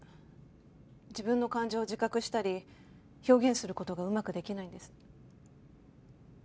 自分の感情を自覚したり表現する事がうまくできないんです。